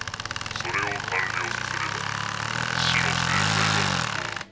それを完了させれば死の制裁は無効。